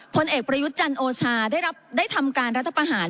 พลเอกประยุทธ์จันทร์โอชาได้ทำการรัฐประหาร